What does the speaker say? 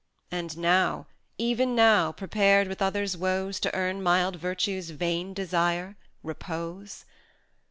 And now, even now prepared with others' woes To earn mild Virtue's vain desire, repose?